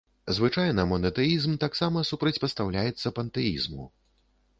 Звычайна монатэізм таксама супрацьпастаўляецца пантэізму.